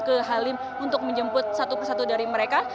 ke halim untuk menjemput satu ke satu dari mereka